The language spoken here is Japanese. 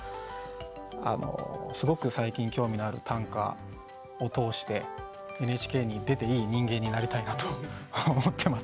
すごく最近興味のある短歌を通してＮＨＫに出ていい人間になりたいなと思ってます。